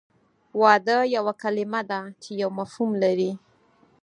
واده یوه کلمه ده چې یو مفهوم لري